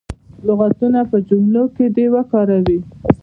لغتونه په جملو کې دې وکاروي.